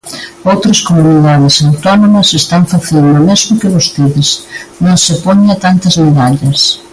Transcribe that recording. Outras comunidades autónomas están facendo o mesmo que vostedes; non se poña tantas medallas.